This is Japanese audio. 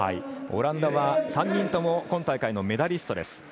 オランダは３人とも今大会のメダリストです。